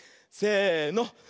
せの。